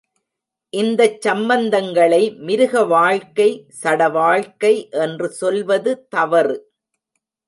இந்தச் சம்பந்தங்களை மிருக வாழ்க்கை, சடவாழ்க்கை என்று சொல்வது தவறு.